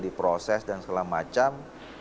diproses dan segala macam